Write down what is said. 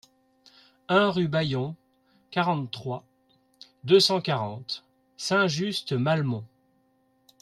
un rue Bayon, quarante-trois, deux cent quarante, Saint-Just-Malmont